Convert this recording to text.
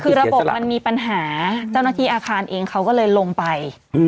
คือระบบมันมีปัญหาเจ้าหน้าที่อาคารเองเขาก็เลยลงไป